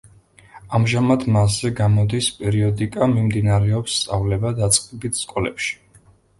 ამჟამად მასზე გამოდის პერიოდიკა, მიმდინარეობს სწავლება დაწყებით სკოლებში.